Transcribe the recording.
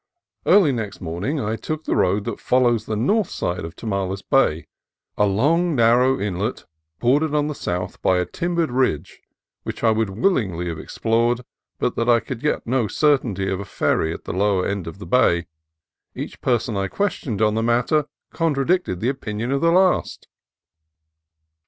Early next morning I took the road that follows the north side of Tomales Bay, a long narrow inlet bordered on the south by a timbered ridge which I would willingly have ex plored but that I could get no certainty of a ferry at the lower end of the bay. Each person I ques tioned on the matter contradicted the opinion of the last.